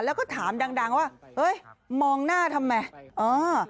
แล้วก็ถามดังดังว่าเฮ้ยมองหน้าทำไมเออ